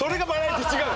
違う！